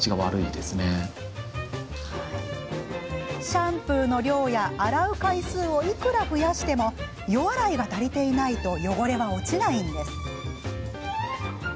シャンプーの量や洗う回数をいくら増やしても予洗いが足りていないと汚れは落ちないんです。